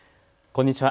こんにちは。